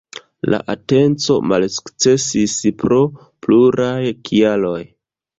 La atenco malsukcesis pro pluraj kialoj.